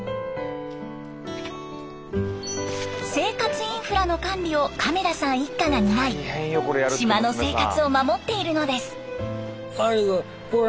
生活インフラの管理を亀田さん一家が担い島の生活を守っているのです。